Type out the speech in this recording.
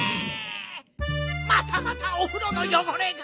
またまたおふろのよごれが！